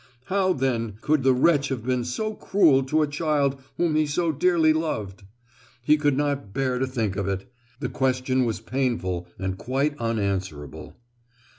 How, then, could the wretch have been so cruel to a child whom he so dearly loved? He could not bear to think of it, the question was painful, and quite unanswerable.